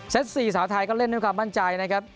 ๔สาวไทยก็เล่นด้วยความมั่นใจนะครับ